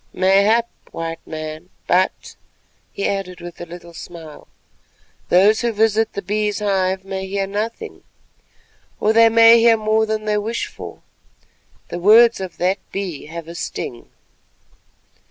"Mayhap, White Man, but," he added with a little smile, "those who visit the Bee's hive may hear nothing, or they may hear more than they wish for. The words of that Bee have a sting."